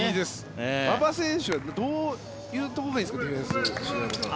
馬場選手はどういうところがいいんですか？